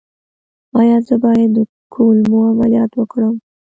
ایا زه باید د کولمو عملیات وکړم؟